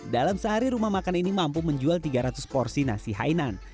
dalam sehari rumah makan ini mampu menjual tiga ratus porsi nasi hainan